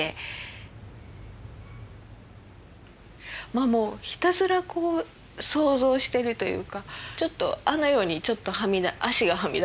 まあもうひたすらこう想像してるというかちょっとあの世にちょっと足がはみ出してる感じ。